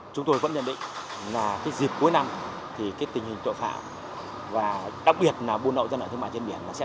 chúng tôi vẫn nhận định là dịp cuối năm thì tình hình tội phạm và đặc biệt là buôn lậu gian lận thương mại trên biển sẽ ra rằng